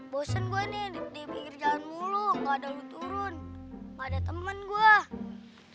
bosan gue nih dipinggir jalan mulu gak ada lo turun gak ada temen gue